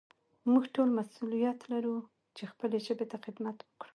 موږ ټول مسؤليت لرو چې خپلې ژبې ته خدمت وکړو.